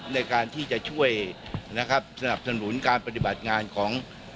ในการที่จะช่วยนะครับสนับสนุนการปฏิบัติงานของ